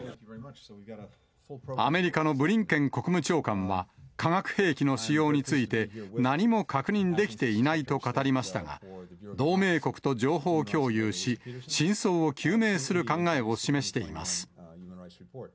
アメリカのブリンケン国務長官は、化学兵器の使用について、何も確認できていないと語りましたが、同盟国と情報共有し、真相を究明する考えを示しています。